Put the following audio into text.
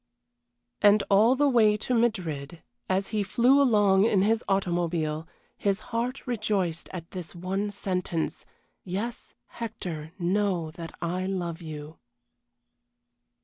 And all the way to Madrid, as he flew along in his automobile, his heart rejoiced at this one sentence "Yes, Hector, know that I love you!"